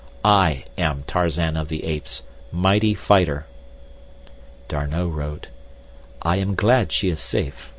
I am Tarzan of the Apes—mighty fighter. D'Arnot wrote: I am glad she is safe.